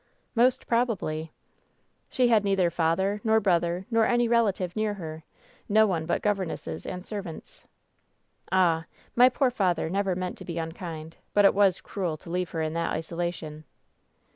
'' "Most probably." "She had neither father, nor brother, nor any relative near her ; no one but governesses and servants." "Ah ! my poor father never meant to be unkind, but it was cruel to leave her in that isolation."